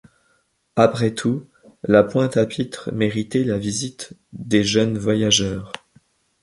Après tout, la Pointe-à-Pitre méritait la visite des jeunes voyageurs.